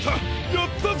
やったぞ！